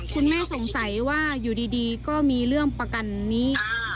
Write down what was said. คุณแม่สงสัยว่าอยู่ดีก็มีเรื่องประกันนี้